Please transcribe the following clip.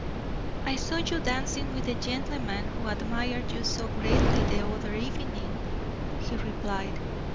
"I saw you dancing with the gentleman who admired you so greatly the other evening," he replied.